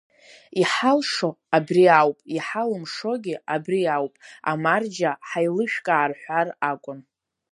Иҳалшо абри ауп, иҳалымшогьы абри ауп, амарџьа, ҳаилышәкаа рҳәар акәын.